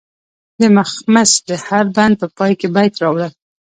د مخمس د هر بند په پای کې بیت راوړل.